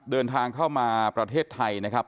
เดินทางเข้ามาประเทศไทยนะครับ